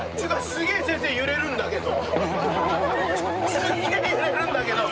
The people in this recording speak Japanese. すげえ揺れるんだけど。